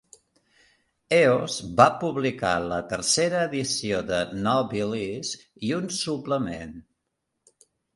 Eos va publicar la tercera edició de Nobilis i un suplement.